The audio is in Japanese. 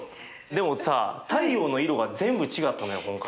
でもさ太陽の色が全部違ったのよ今回。